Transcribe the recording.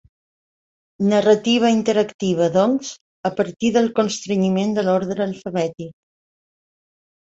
Narrativa interactiva doncs, a partir del constrenyiment de l'ordre alfabètic.